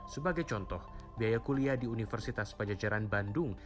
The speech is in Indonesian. sebagai contoh biaya kuliah di universitas pajajaran bandung